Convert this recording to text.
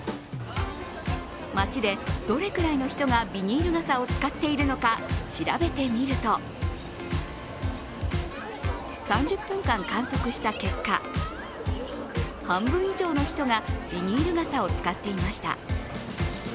街でどれくらいの人がビニール傘を使っているのか調べてみると３０分間観測した結果半分以上の人がビニール傘を使っていました。